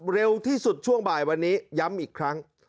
เร็วที่สุดช่วงบ่ายวันนี้ย้ำอีกครั้ง